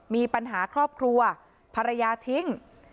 มีปัญหาครอบครัวภรรยาทิ้ง